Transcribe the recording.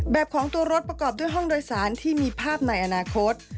แบบของตัวรถประกอบด้วยห้องโดยสารที่มีภาพในอนาคต